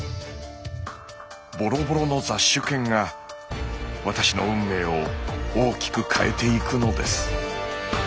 ボロボロの雑種犬が私の運命を大きく変えていくのです。